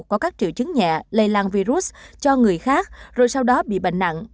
có các triệu chứng nhẹ lây lan virus cho người khác rồi sau đó bị bệnh nặng